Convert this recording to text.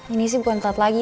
ini sih bukan tat lagi